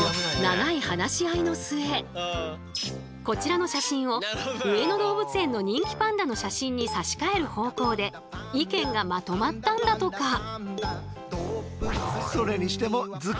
こちらの写真を上野動物園の人気パンダの写真に差し替える方向で意見がまとまったんだとか。